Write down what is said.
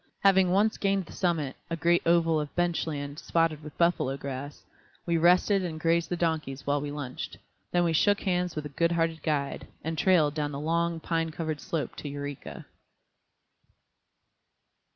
Having once gained the summit, a great oval of bench land spotted with buffalo grass, we rested and grazed the donkeys while we lunched; then we shook hands with the good hearted guide, and trailed down the long, pine covered slope to Eureka.